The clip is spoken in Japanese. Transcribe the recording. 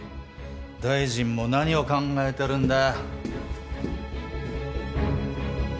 大臣も何を考えてるんだ。